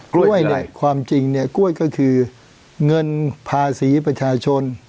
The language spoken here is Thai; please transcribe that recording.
กล้วยเนี่ยความจริงเนี่ยกล้วยก็คือเงินภาษีประชาชน